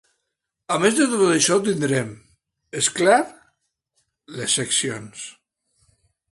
A més de tot això tindrem, és clar, les seccions.